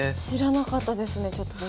知らなかったですね。